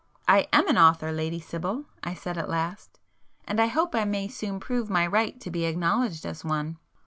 "I am an author, Lady Sibyl"—I said at last—"and I hope I may soon prove my right to be acknowledged as one.